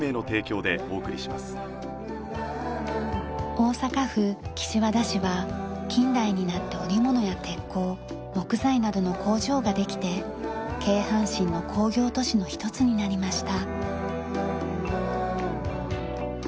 大阪府岸和田市は近代になって織物や鉄工木材などの工場ができて京阪神の工業都市の一つになりました。